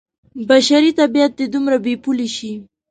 بشري طبعیت دې دومره بې پولې شي.